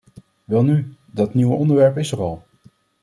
Welnu, dat nieuwe ontwerp is er al.